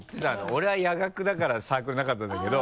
俺は夜学だからサークルなかったんだけど。